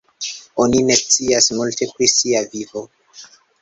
Oni ne scias multe pri sia vivo.